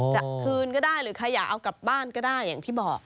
จะคืนก็ได้หรือใครอยากเอากลับบ้านก็ได้อย่างที่บอก